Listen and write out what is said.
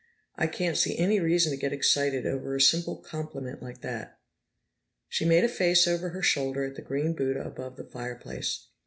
"I can't see any reason to get excited over a simple compliment like that." She made a face over her shoulder at the green Buddha above the fireplace.